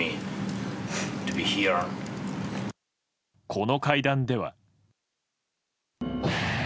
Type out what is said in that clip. この会談では。